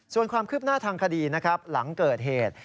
ส่วนความคืบหน้าทางคดีนะครับหลังเกิดเหตุ